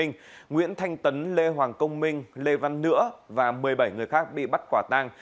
nguyễn thanh tấn lê hoàng công minh lê văn nữa và một mươi bảy người khác bị bắt quả tang